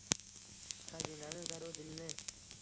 Xazinani zaru dilni